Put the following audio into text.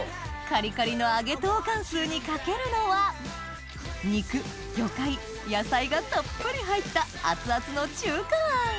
カリカリの揚げトーカンスーにかけるのは肉魚介野菜がたっぷり入った熱々の中華あん